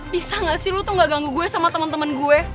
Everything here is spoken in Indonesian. bisa gak sih lo tuh gak ganggu gue sama temen temen gue